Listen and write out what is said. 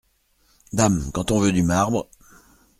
Dame, quand on veut du marbre…